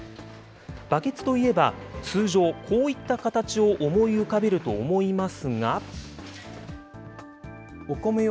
バケツといえば、通常、こういった形を思い浮かべると思いますが。